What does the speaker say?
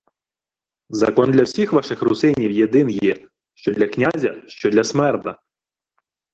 — Закон для всіх ваших русинів єдин є: що для князя, що для смерда.